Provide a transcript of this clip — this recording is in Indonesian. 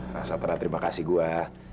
rasa ternyata terima kasih gue